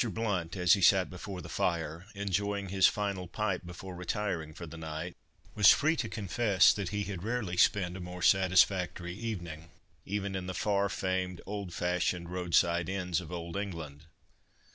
BLOUNT, as he sat before the fire, enjoying his final pipe before retiring for the night, was free to confess that he had rarely spent a more satisfactory evening—even in the far famed, old fashioned, road side inns of old England.